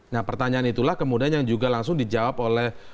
nah pertanyaan itulah kemudian yang juga langsung dijawab oleh